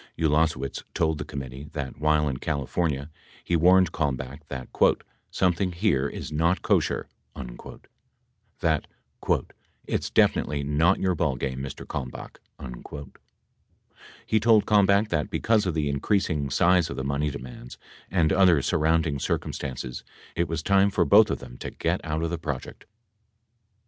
93 Ulasewicz told the committee that, while in California, he warned Kalmbach that "something here is not Kosher," that "... it's definitely not your ball game, Mr. Kalmbach." He told Kalmbach that, because of the increasing size of the money demands and other surrounding circumstances, it was time for both of them to get out of the project.